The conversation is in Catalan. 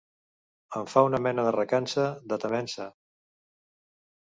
Em fa una mena de recança, de temença.